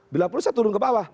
bila perlu saya turun ke bawah